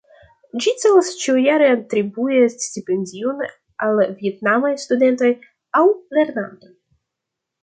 Ĝi celas ĉiujare atribui stipendion al vjetnamaj studentoj aŭ lernantoj.